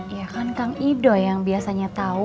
ya kan kang idoi yang biasanya tau